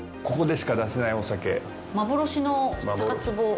「幻の酒壷」？